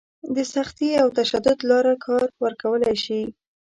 د سختي او تشدد لاره کار ورکولی شي.